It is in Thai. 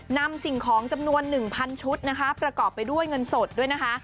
สิ่งของจำนวน๑๐๐ชุดนะคะประกอบไปด้วยเงินสดด้วยนะคะ